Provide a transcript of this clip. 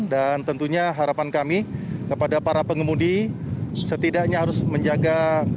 dan tentunya harapan kami kepada para pengemudi setidaknya harus menjaga